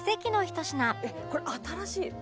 「えっこれ新しい！